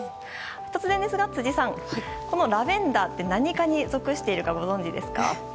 突然ですが、辻さんこのラベンダーって何科に属しているかご存じですか？